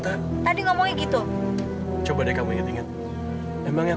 kamu gak boleh keluar dari rumah ini